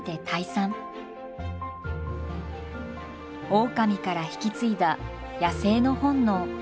オオカミから引き継いだ野生の本能。